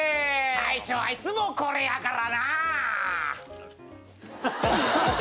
大将はいつもこれやからな。